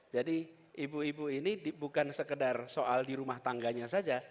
jadi ibu ibu ini bukan sekedar soal di rumah tangganya saja